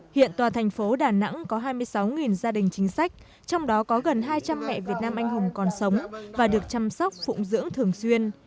hiện tòa thành phố đà nẵng có hai mươi sáu gia đình chính sách trong đó có gần hai trăm linh mẹ việt nam anh hùng còn sống và được chăm sóc phụng dưỡng thường xuyên